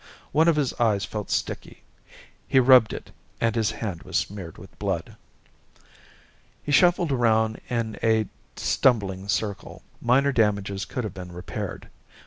One of his eyes felt sticky. He rubbed at it and his hand was smeared with blood. He shuffled around in a stumbling circle. Minor damages could have been repaired.